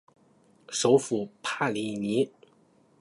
首府帕利尼。